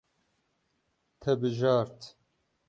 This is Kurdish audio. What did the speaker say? Te bijart.